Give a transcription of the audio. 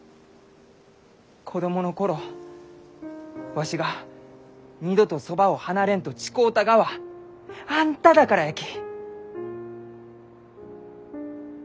子供の頃わしが二度とそばを離れんと誓うたがはあんただからやき。